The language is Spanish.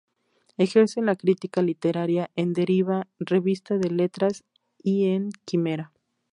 Ejerce la crítica literaria en "Deriva", "Revista de letras" y en "Quimera".